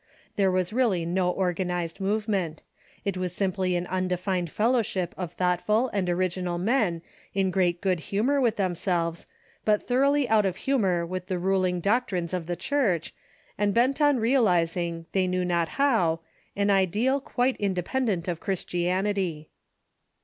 There w^as really no organized movement. It was simply an undefined fellowship of thought ful and original men in great good humor with themselves, but thoroughly out of humor with the ruling doctrines of the Church, and bent on realizing, they knew not how, an ideal quite independent of Christianity.